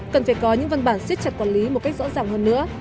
cần phải có những văn bản xích chặt quản lý một cách rõ ràng hơn nữa